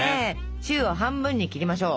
シューを半分に切リましょう！